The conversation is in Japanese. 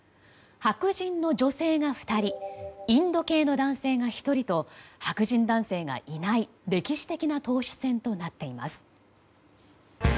白人の女性が２人インド系の男性が１人と白人の男性がいない歴史的な党首選となっています。